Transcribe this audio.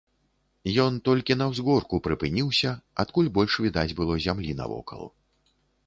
Ён толькі на ўзгорку прыпыніўся, адкуль больш відаць было зямлі навокал.